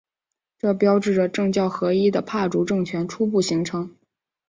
这标志着政教合一的帕竹政权初步形成。